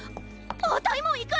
あたいもいく！